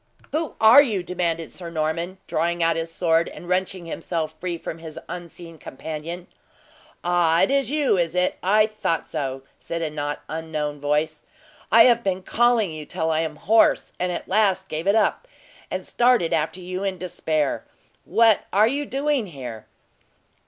"Who are you?" demanded Sir Norman, drawing out his sword, and wrenching himself free from his unseen companion. "Ah! it is you, is it? I thought so," said a not unknown voice. "I have been calling you till I am hoarse, and at last gave it up, and started after you in despair. What are you doing here?"